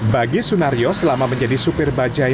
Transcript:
bagi sunario selama menjadi sepir bajaj